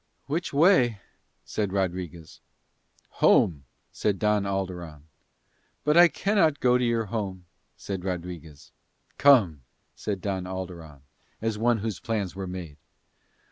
"Which way?" said Rodriguez. "Home," said Don Alderon. "But I cannot go to your home," said Rodriguez. "Come," said Don Alderon, as one whose plans were made.